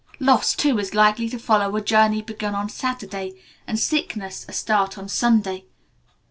Loss, too, is likely to follow a journey begun on Saturday, and sickness a start on Sunday.